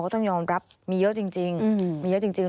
ต้องยอมรับมีเยอะจริง